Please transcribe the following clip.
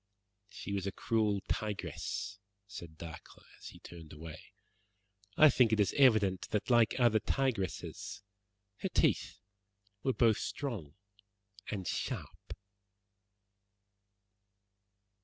"She was a cruel tigress," said Dacre, as he turned away. "I think it is evident that like other tigresses her teeth were both strong and sharp."